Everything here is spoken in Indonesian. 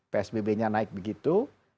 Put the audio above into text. psbb nya naik begitu